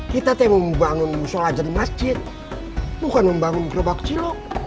kita itu yang membangun sholah di masjid bukan membangun kerobak kecil